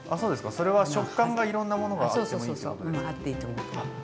それは食感がいろんなものがあってもいいってことですね。